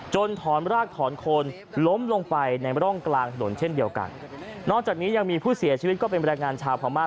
ถอนรากถอนโคนล้มลงไปในร่องกลางถนนเช่นเดียวกันนอกจากนี้ยังมีผู้เสียชีวิตก็เป็นแรงงานชาวพม่า